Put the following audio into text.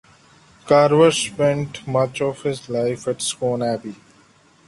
Carver spent much of his life at Scone Abbey.